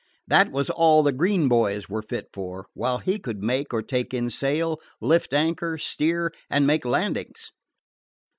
That was all the green boys were fit for, while he could make or take in sail, lift anchor, steer, and make landings.